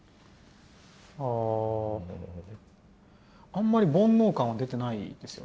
あんまり煩悩感は出てないですよね。